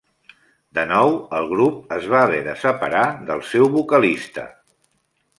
De nou, el grup es va haver de separar del seu vocalista.